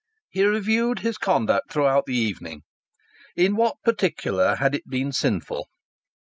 He reviewed his conduct throughout the evening. In what particular had it been sinful?